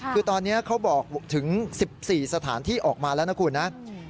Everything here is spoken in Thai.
คือตอนนี้เขาบอกถึง๑๔สถานที่ออกมาแล้วนะคุณนะ